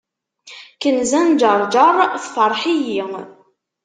Kenza n ǧerǧer tefreḥ-iyi.